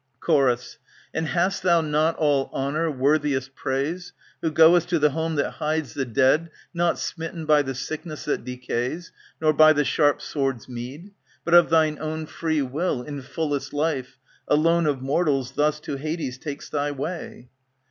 Chr, And hast thou not all honour, worthiest praise^ Who goest to the home that hides the dead, Not smitten by the sickness that decays. Nor by the sharp sword's meed, ^^ But of thine own free will, in fullest life, Alone of mortals, thus To Hades tak'st thy way